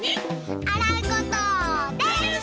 あらうこと。です！